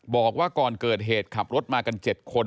บอกว่าก่อนเกิดเหตุขับรถมากัน๗คน